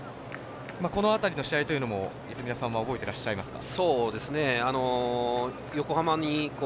この辺りの試合というのは泉田さんは覚えていらっしゃいますか。